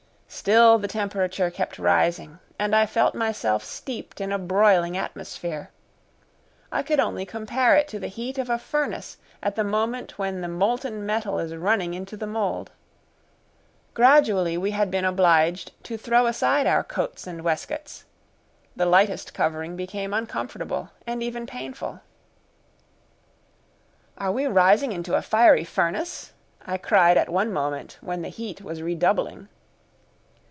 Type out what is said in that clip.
Still the temperature kept rising, and I felt myself steeped in a broiling atmosphere. I could only compare it to the heat of a furnace at the moment when the molten metal is running into the mould. Gradually we had been obliged to throw aside our coats and waistcoats, the lightest covering became uncomfortable and even painful. "Are we rising into a fiery furnace?" I cried at one moment when the heat was redoubling.